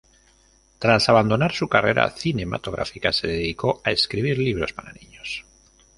Tras abandonar su carrera cinematográfica se dedicó a escribir libros para niños.